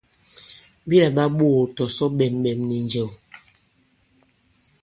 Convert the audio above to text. Bi làɓa ɓoō tɔ̀sɔ ɓɛ̀nɓɛ̀n nì njɛ̀w.